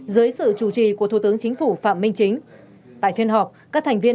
hai nghìn hai mươi ba dưới sự chủ trì của thủ tướng chính phủ phạm minh chính tại phiên họp các thành viên